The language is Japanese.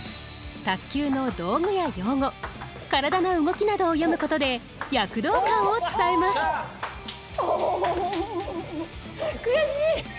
卓球の道具や用語体の動きなどを詠むことで躍動感を伝えます悔しい！